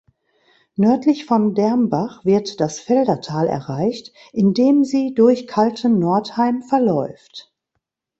Nördlich von Dermbach wird das Feldatal erreicht, in dem sie durch Kaltennordheim verläuft.